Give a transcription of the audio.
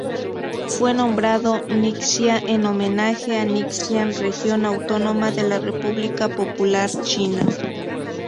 Fue nombrado Ningxia en homenaje a Ningxia región autónoma de la República Popular China.